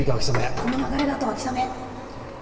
この流れだと秋雨。